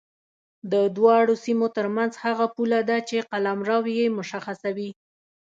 د دواړو سیمو ترمنځ هغه پوله ده چې قلمرو یې مشخصوي.